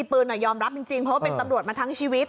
เพราะเป็นตำรวจมาทั้งชีวิต